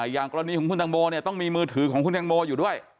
อย่างกรณีของคุณตังโมเนี่ยต้องมีมือถือของคุณแตงโมอยู่ด้วย